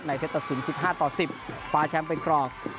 เซตตัดสิน๑๕ต่อ๑๐คว้าแชมป์เป็นกรอง